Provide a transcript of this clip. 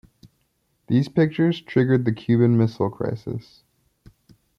These pictures triggered the Cuban Missile Crisis.